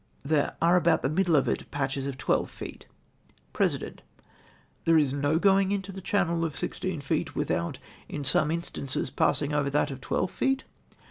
There are about tlie middle of it patches of twelve feet." President. —" There is no going into the channel of sixteen feet witliout, in some instances, passing over that of twelve feet